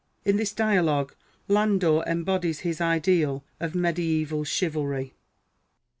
In this dialogue Landor embodies his ideal of medieval chivalr}'.] Joanna.